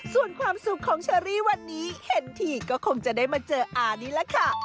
ส่วนความสุขของเชอรี่วันนี้เห็นทีก็คงจะได้มาเจออานี่แหละค่ะ